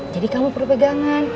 jadi kamu perlu pegangan